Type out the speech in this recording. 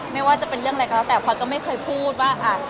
ไม่ว่าจะเป็นเรื่องอะไรก็แล้วแต่พลอยก็ไม่เคยพูดว่า